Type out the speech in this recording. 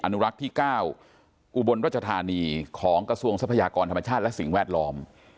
อนุรักษ์ที่๙อุบลรัชธานีของกระทรวงทรัพยากรธรรมชาติและสิ่งแวดล้อม